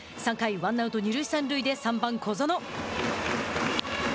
ワンアウト、二塁三塁で三番小園。